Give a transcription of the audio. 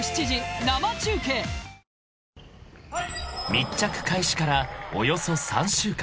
［密着開始からおよそ３週間］